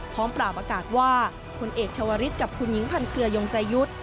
พร้อมปราบอากาศว่าผลเอกชาวริสกับคุณหญิงพันเครือยงใจยุทธ์